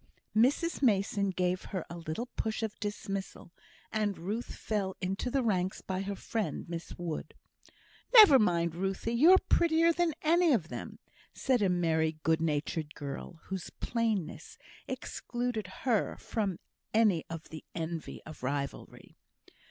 Mrs Mason gave her a little push of dismissal, and Ruth fell into the ranks by her friend, Miss Wood. "Never mind, Ruthie; you're prettier than any of them," said a merry, good natured girl, whose plainness excluded her from any of the envy of rivalry.